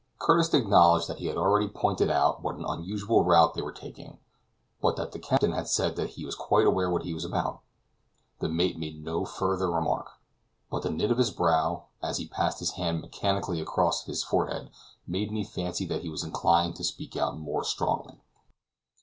Curtis acknowledged that he had already pointed out what an unusual route they were taking, but that the captain had said that he was quite aware what he was about. The mate made no further remark; but the knit of his brow, as he passed his hand mechanically across his forehead, made me fancy that he was inclined to speak out more strongly.